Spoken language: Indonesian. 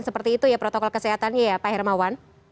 seperti itu ya protokol kesehatannya ya pak hermawan